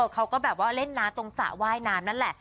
เขาก็แบบว่าเล่นน้ำตรงสระว่ายน้ำนั่นแหละ